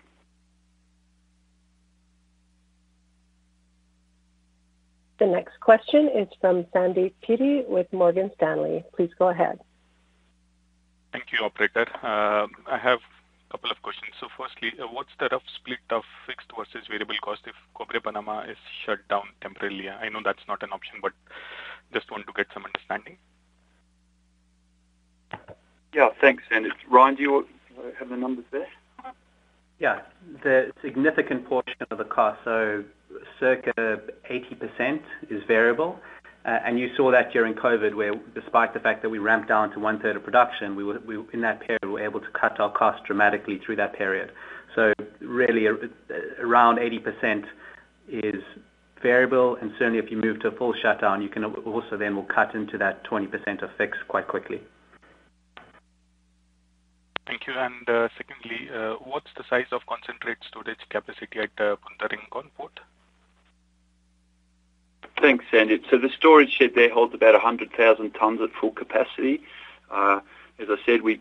The next question is from Sandeep Peety with Morgan Stanley. Please go ahead. Thank you, operator. I have a couple of questions. Firstly, what's the rough split of fixed versus variable cost if Cobre Panama is shut down temporarily? I know that's not an option, but just want to get some understanding. Yeah. Thanks, Sandeep. Ryan, do you have the numbers there? Yeah. The significant portion of the cost, so circa 80% is variable. You saw that during COVID, where despite the fact that we ramped down to one-third of production, we were, in that period, we were able to cut our costs dramatically through that period. Really around 80% is variable. Certainly if you move to a full shutdown, you can also then will cut into that 20% of fixed quite quickly. Thank you. Secondly, what's the size of concentrate storage capacity at the Punta Rincón port? Thanks, Sandy. The storage shed there holds about 100,000 tons at full capacity. As I said, you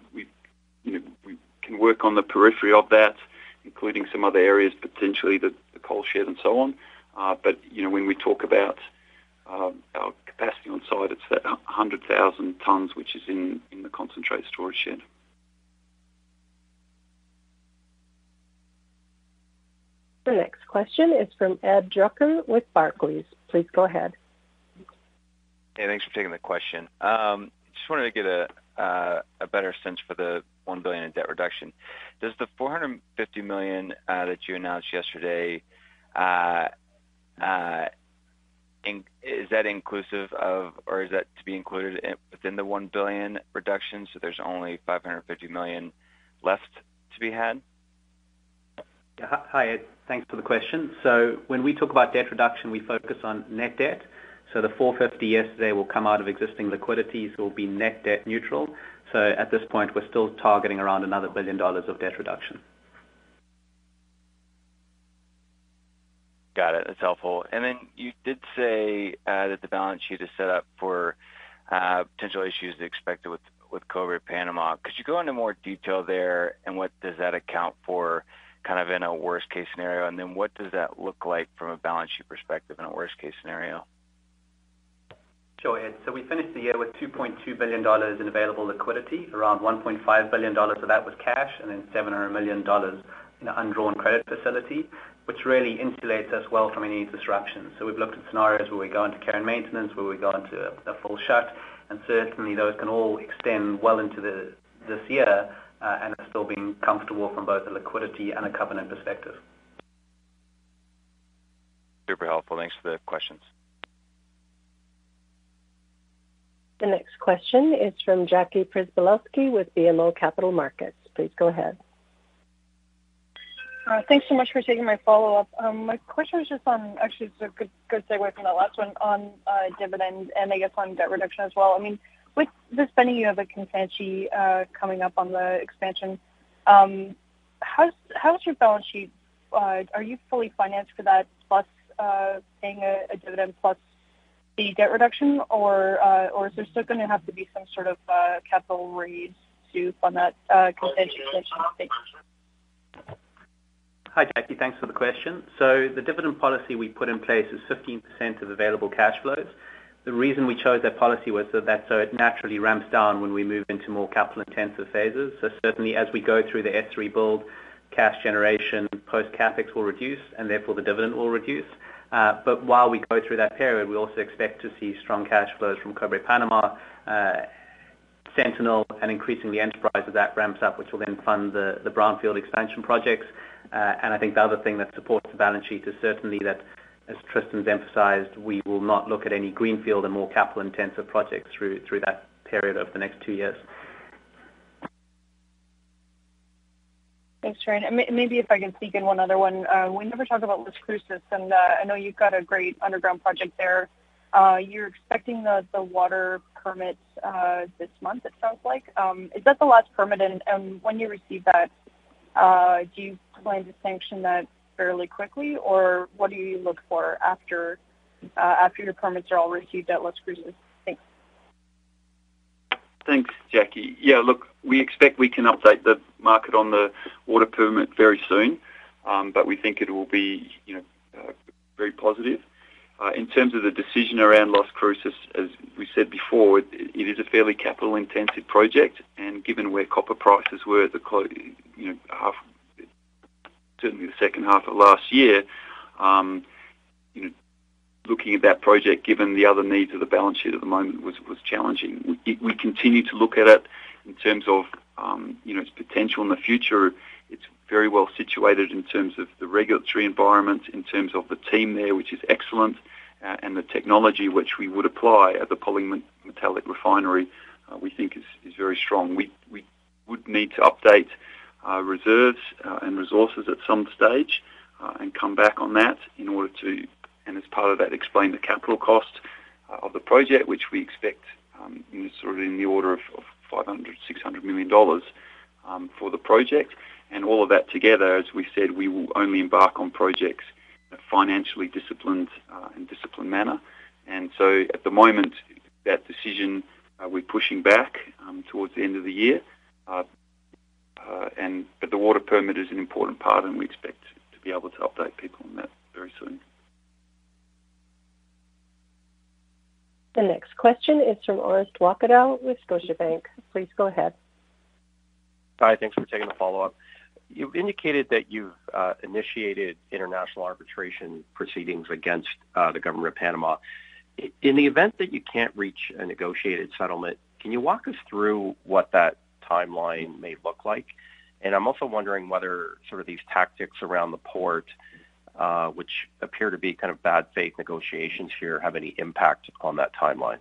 know, we can work on the periphery of that, including some other areas, potentially the coal shed and so on. You know, when we talk about our capacity on site, it's that 100,000 tons which is in the concentrate storage shed. The next question is from Ed Brucker with Barclays. Please go ahead. Hey, thanks for taking the question. Just wanted to get a better sense for the $1 billion in debt reduction. Does the $450 million that you announced yesterday, is that inclusive of, or is that to be included within the $1 billion reduction, so there's only $550 million left to be had? Yeah. Hi, Ed. Thanks for the question. When we talk about debt reduction, we focus on net debt. The $450 million yesterday will come out of existing liquidities. It will be net debt neutral. At this point, we're still targeting around another $1 billion of debt reduction. Got it. That's helpful. You did say that the balance sheet is set up for potential issues expected with Cobre Panama. Could you go into more detail there? What does that account for, kind of in a worst-case scenario? What does that look like from a balance sheet perspective in a worst-case scenario? Sure, Ed. We finished the year with $2.2 billion in available liquidity. Around $1.5 billion of that was cash, and then $700 million in undrawn credit facility, which really insulates us well from any disruption. We've looked at scenarios where we go into care and maintenance, where we go into a full shut, and certainly, those can all extend well into this year, and are still being comfortable from both a liquidity and a covenant perspective. Super helpful. Thanks for the questions. The next question is from Jackie Przybylowski with BMO Capital Markets. Please go ahead. Thanks so much for taking my follow-up. My question is just on, actually, it's a good segue from the last one on dividends and I guess on debt reduction as well. I mean, with the spending you have at Kansanshi, coming up on the expansion, how's your balance sheet? Are you fully financed for that plus paying a dividend plus the debt reduction? Or is there still gonna have to be some sort of capital raise to fund that Kansanshi expansion? Thanks. Hi, Jackie. Thanks for the question. The dividend policy we put in place is 15% of available cash flows. The reason we chose that policy was so that it naturally ramps down when we move into more capital-intensive phases. Certainly as we go through the S3 build, cash generation post CapEx will reduce, and therefore the dividend will reduce. While we go through that period, we also expect to see strong cash flows from Cobre Panama, Sentinel, an increasing the enterprise as that ramps up, which will then fund the brownfield expansion projects. I think the other thing that supports the balance sheet is certainly that, as Tristan's emphasized, we will not look at any greenfield and more capital-intensive projects through that period over the next two years. Thanks, Ryan. Maybe if I can sneak in one other one. We never talked about Las Cruces, and I know you've got a great underground project there. You're expecting the water permits this month, it sounds like. Is that the last permit? When you receive that, do you plan to sanction that fairly quickly? What do you look for after your permits are all received at Las Cruces? Thanks, Jackie. Yeah, look, we expect we can update the market on the water permit very soon, but we think it will be, you know, very positive. In terms of the decision around Las Cruces, as we said before, it is a fairly capital-intensive project. Given where copper prices were at you know, half, certainly the second half of last year, you know, looking at that project, given the other needs of the balance sheet at the moment was challenging. We continue to look at it in terms of, you know, its potential in the future. It's very well situated in terms of the regulatory environment, in terms of the team there, which is excellent. The technology which we would apply at the polymetallic refinery, we think is very strong. We would need to update our reserves and resources at some stage and come back on that in order to, and as part of that, explain the capital cost of the project, which we expect, you know, sort of in the order of $500 million-$600 million for the project. All of that together, as we said, we will only embark on projects in a financially disciplined and disciplined manner. At the moment, that decision we're pushing back towards the end of the year. The water permit is an important part, and we expect to be able to update people on that very soon. The next question is from Orest Wowkodaw with Scotiabank. Please go ahead. Hi, thanks for taking the follow-up. You've indicated that you've initiated international arbitration proceedings against the government of Panama. In the event that you can't reach a negotiated settlement, can you walk us through what that timeline may look like? I'm also wondering whether sort of these tactics around the port, which appear to be kind of bad faith negotiations here, have any impact on that timeline?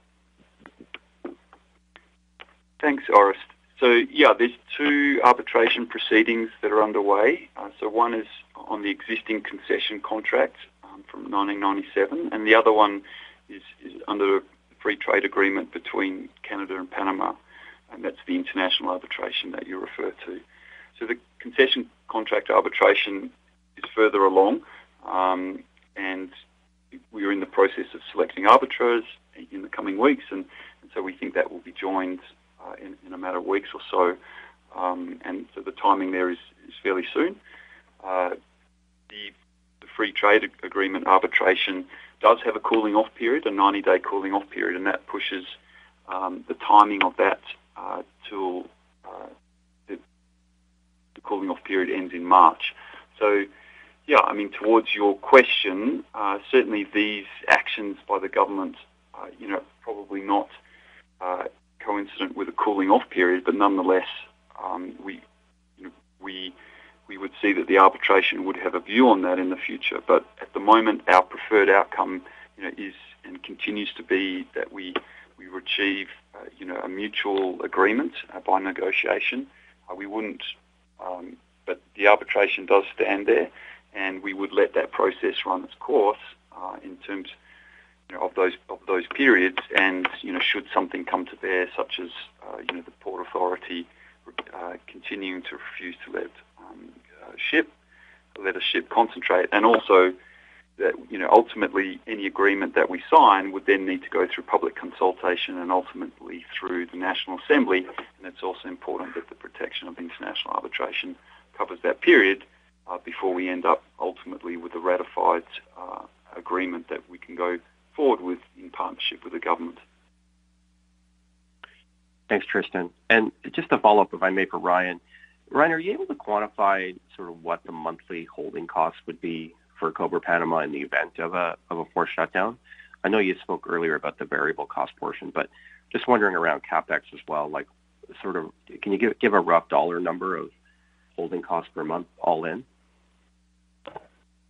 Thanks, Orest. Yeah, there's two arbitration proceedings that are underway. One is on the existing concession contract from 1997, and the other one is under a free trade agreement between Canada and Panama. That's the international arbitration that you refer to. The concession contract arbitration is further along, and we are in the process of selecting arbitrators in the coming weeks. We think that will be joined in a matter of weeks or so. The timing there is fairly soon. The free trade agreement arbitration does have a cooling off period, a 90-day cooling off period, and that pushes the timing of that till the cooling off period ends in March. Yeah, I mean, towards your question, certainly these actions by the government are, you know, probably not coincident with a cooling off period. Nonetheless, we, you know, we would see that the arbitration would have a view on that in the future. At the moment, our preferred outcome, you know, is and continues to be that we would achieve, you know, a mutual agreement by negotiation. We wouldn't, but the arbitration does stand there, and we would let that process run its course, in terms, you know, of those, of those periods. You know, should something come to bear, such as, you know, the Port Authority, continuing to refuse to let a ship concentrate. Also that, you know, ultimately any agreement that we sign would then need to go through public consultation and ultimately through the National Assembly. It's also important that the protection of international arbitration covers that period before we end up ultimately with a ratified agreement that we can go forward with in partnership with the government. Thanks, Tristan. Just a follow-up, if I may, for Ryan. Ryan, are you able to quantify sort of what the monthly holding costs would be for Cobre Panama in the event of a port shutdown? I know you spoke earlier about the variable cost portion, but just wondering around CapEx as well, like sort of can you give a rough dollar number of holding costs per month all in?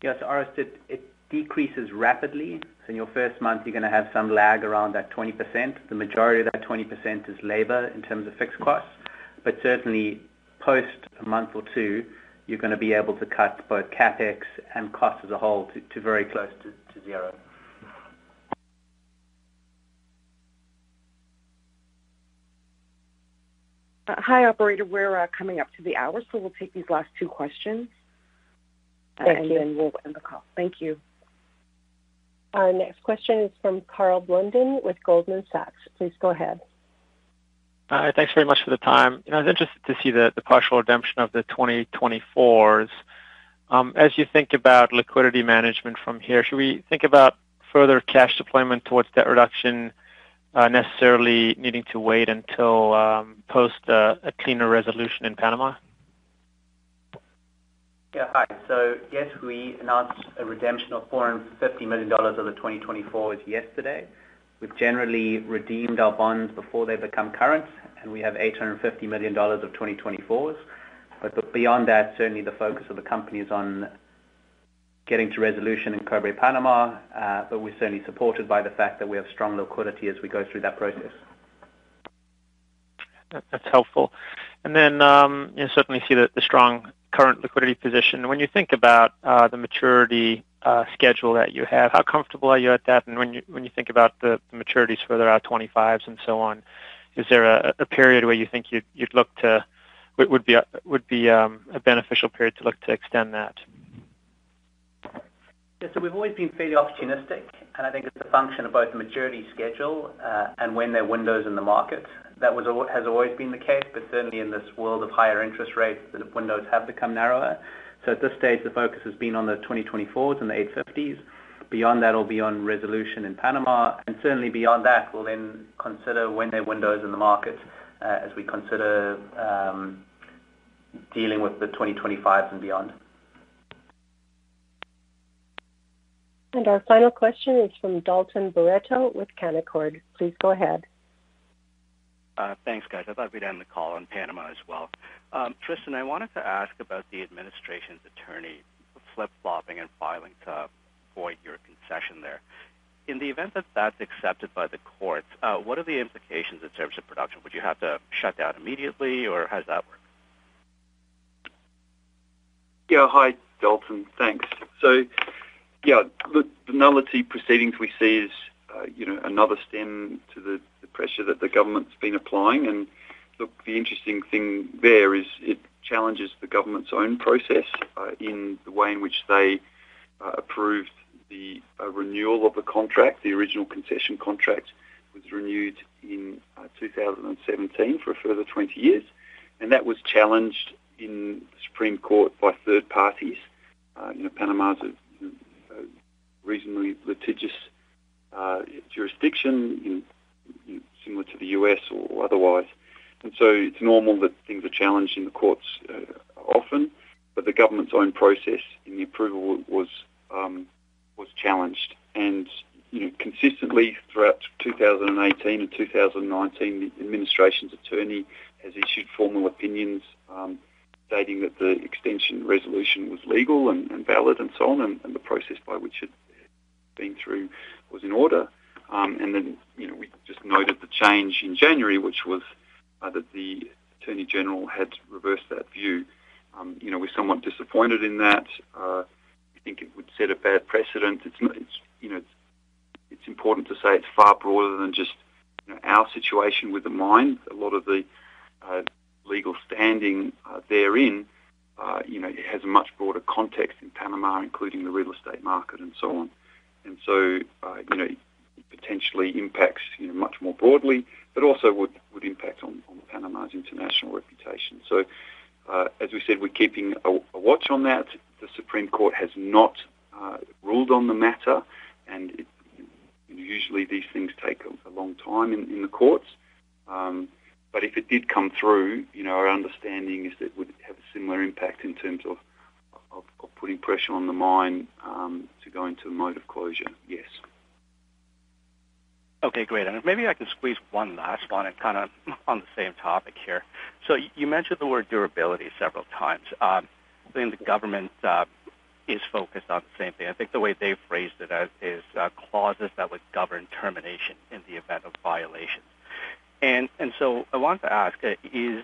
Yes. Orest, it decreases rapidly. In your first month, you're gonna have some lag around that 20%. The majority of that 20% is labor in terms of fixed costs. Certainly post a month or two, you're gonna be able to cut both CapEx and costs as a whole to very close to zero. Hi, operator. We're coming up to the hour, so we'll take these last two questions. Thank you. We'll end the call. Thank you. Our next question is from Karl Blunden with Goldman Sachs. Please go ahead. Thanks very much for the time. You know, I was interested to see the partial redemption of the 2024s. As you think about liquidity management from here, should we think about further cash deployment towards debt reduction, necessarily needing to wait until post a cleaner resolution in Panama? Yeah. Hi. Yes, we announced a redemption of $450 million of the 2024s yesterday. We've generally redeemed our bonds before they become current, and we have $850 million of 2024s. Beyond that, certainly the focus of the company is on getting to resolution in Cobre Panama, but we're certainly supported by the fact that we have strong liquidity as we go through that process. That's helpful. Then, you know, certainly see the strong current liquidity position. When you think about the maturity schedule that you have, how comfortable are you at that? When you think about the maturities further out, 2025s and so on, is there a period where you think you'd look to, would be a beneficial period to look to extend that? Yeah. We've always been fairly opportunistic, and I think it's a function of both maturity schedule, and when there are windows in the market. That has always been the case. Certainly in this world of higher interest rates, the windows have become narrower. At this stage, the focus has been on the 2024s and the 850s. Beyond that it'll be on resolution in Panama, and certainly beyond that, we'll then consider when there are windows in the market, as we consider dealing with the 2025s and beyond. Our final question is from Dalton Baretto with Canaccord. Please go ahead. Thanks, guys. I thought we'd end the call on Panama as well. Tristan, I wanted to ask about the administration's attorney flip-flopping and filing to avoid your concession there. In the event that that's accepted by the courts, what are the implications in terms of production? Would you have to shut down immediately, or how does that work? Yeah. Hi, Dalton. Thanks. Yeah, look, the nullity proceedings we see is, you know, another stem to the pressure that the government's been applying. Look, the interesting thing there is it challenges the government's own process, in the way in which they approved the renewal of the contract. The original concession contract was renewed in 2017 for a further 20 years, and that was challenged in the Supreme Court by third parties. You know, Panama is a reasonably litigious jurisdiction similar to the U.S. or otherwise. It's normal that things are challenged in the courts often. The government's own process in the approval was challenged and, you know, consistently throughout 2018 and 2019, the administration's attorney has issued formal opinions stating that the extension resolution was legal and valid and so on, and the process by which it had been through was in order. You know, we just noted the change in January, which was that the attorney general had reversed that view. You know, we're somewhat disappointed in that. We think it would set a bad precedent. You know, it's important to say it's far broader than just our situation with the mine. A lot of the legal standing therein, you know, it has a much broader context in Panama, including the real estate market and so on. You know, it potentially impacts, you know, much more broadly, but also would impact on Panama's international reputation. As we said, we're keeping a watch on that. The Supreme Court has not ruled on the matter, and usually these things take a long time in the courts. If it did come through, you know, our understanding is that it would have a similar impact in terms of putting pressure on the mine to go into a mode of closure. Yes. Okay, great. Maybe I can squeeze one last one and kinda on the same topic here. You mentioned the word durability several times. I think the government is focused on the same thing. I think the way they've phrased it as, is clauses that would govern termination in the event of violations. I wanted to ask, is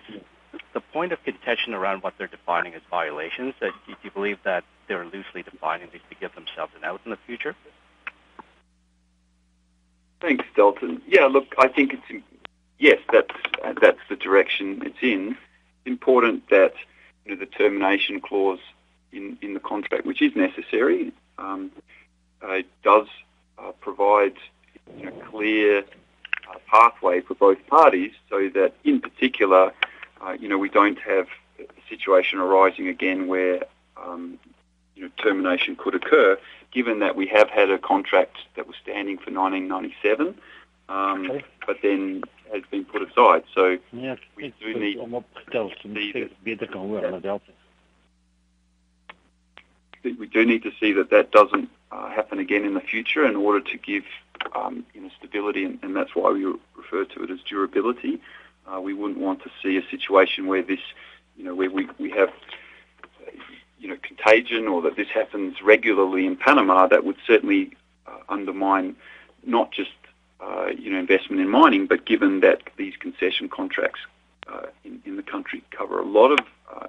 the point of contention around what they're defining as violations, that do you believe that they're loosely defining these to give themselves an out in the future? Thanks, Dalton. Yeah, look, I think it's, yes, that's the direction it's in. Important that, you know, the termination clause in the contract, which is necessary, it does provide, you know, clear pathway for both parties so that in particular, you know, we don't have a situation arising again where, you know, termination could occur given that we have had a contract that was standing for 1997. Okay. Has been put aside. We do need to see that that doesn't happen again in the future in order to give, you know, stability, and that's why we refer to it as durability. We wouldn't want to see a situation where this, you know, where we have, you know, contagion or that this happens regularly in Panama that would certainly undermine not just, you know, investment in mining, but given that these concession contracts in the country cover a lot of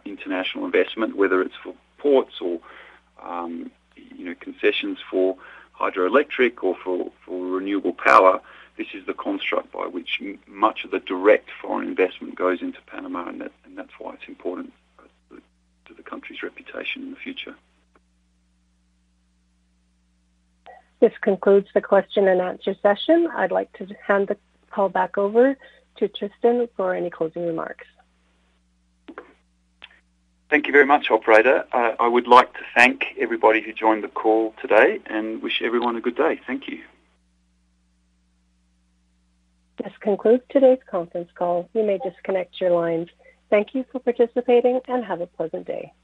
international investment, whether it's for ports or, you know, concessions for hydroelectric or for renewable power. This is the construct by which much of the direct foreign investment goes into Panama, and that, and that's why it's important to the country's reputation in the future. This concludes the question and answer session. I'd like to hand the call back over to Tristan for any closing remarks. Thank you very much, Operator. I would like to thank everybody who joined the call today and wish everyone a good day. Thank you. This concludes today's conference call. You may disconnect your lines. Thank you for participating, and have a pleasant day.